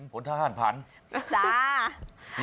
ปลุงถ่ายกว่าท่านพันธุ์